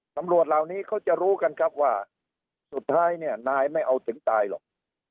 ตำรวจเหล่านี้เขาจะรู้กันครับว่าสุดท้ายเนี่ยนายไม่เอาถึงตายหรอก